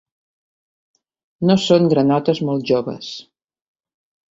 No són granotes molt joves.